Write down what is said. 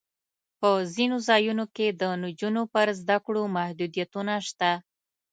په ځینو ځایونو کې د نجونو پر زده کړو محدودیتونه شته.